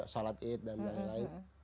salat id dan lain lain